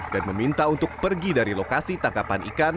dan meminta untuk pergi dari lokasi tangkapan ikan